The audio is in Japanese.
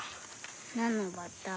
何のバッタ？